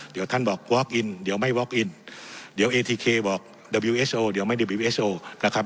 เดี๋ยวท่านบอกเดี๋ยวไม่เดี๋ยวเอทีเคบอกเดี๋ยวไม่นะครับ